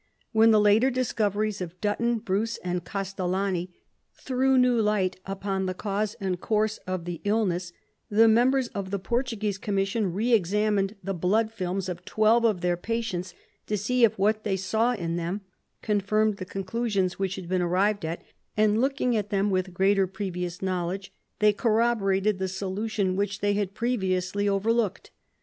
When the later discoveries of Button, Bruce and Castellani threw new light upon the cause and course of the illness, the members of the Portuguese Commission re examined the blood films of 12 of their patients to see if what they saw in them confirmed the conclusions which had been arrived at, and, looking at them with greater previous knowledge, they corroborated the solution which they had previously overlooked.